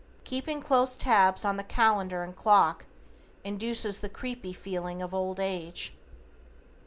Keeping close tabs on the calendar and clock, induces the creepy feeling of old age.